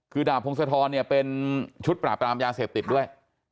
คือดาบพงศธรเนี่ยเป็นชุดปราบรามยาเสพติดด้วย